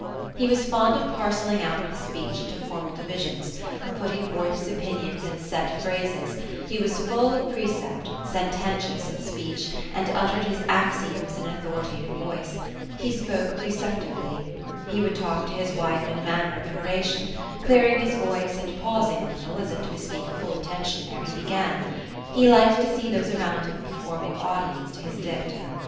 ile was fond of parcelling out his speech into formal divisions; of putting forth his opinions in set phrases; he was full of precept ; sen tentious in speech ; and uttered bis axioms in an authoritative voice. lie spoke preceptively. He would talk to his wife in manner of an oration ; clearing his voice, and pausing a little, as if to bespeak full attention ere be began. He liked to see those around him performing audience to his dicta.